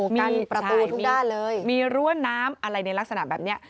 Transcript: กันประตูทุกด้านเลยมีรั้วน้ำอะไรในลักษณะแบบนี้